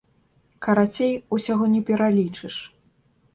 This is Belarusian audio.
Карацей, усяго не пералічыш.